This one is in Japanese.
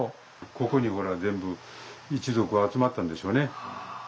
ここにほら全部一族が集まったんでしょうね。